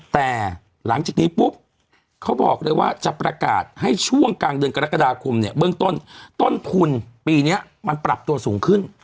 แต่หลังจากนี้ปุ๊บเขาบอกเลยว่าจะประกาศให้ช่วงกลางเดือนกรกฎาคมเนี่ยเบื้องต้นต้นทุนปีนี้มันปรับตัวสูงขึ้น